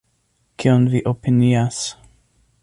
Kion vi opinias?